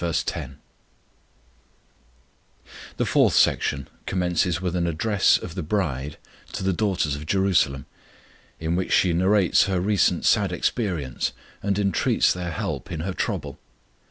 10 THE fourth section commences with an address of the bride to the daughters of Jerusalem, in which she narrates her recent sad experience, and entreats their help in her trouble.